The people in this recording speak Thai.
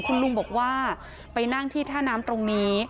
คุณลุงบอกว่าไปนั่งที่ท่าน้ำตรงนี้